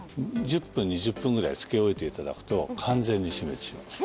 １０分２０分ぐらいつけ置いていただくと完全に死滅します